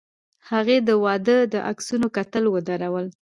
هغې د واده د عکسونو کتل ودرول.